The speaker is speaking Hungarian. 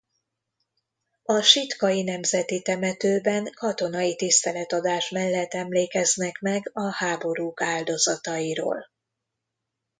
A Sitkai Nemzeti Temetőben katonai tiszteletadás mellett emlékeznek meg a háborúk áldozatairól.